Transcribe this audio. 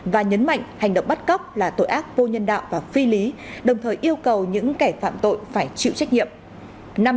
và nhấn mạnh hành động bắt cóc là tội ác vô nhân đạo và phi lý đồng thời yêu cầu những kẻ phạm tội phải chịu trách nhiệm